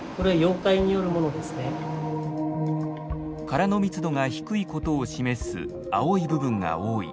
殻の密度が低いことを示す青い部分が多い。